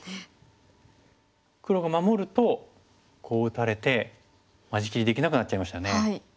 黒が守るとこう打たれて間仕切りできなくなっちゃいましたね。